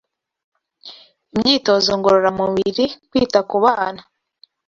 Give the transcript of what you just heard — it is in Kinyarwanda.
imyitozo ngororamubiri, kwita ku bana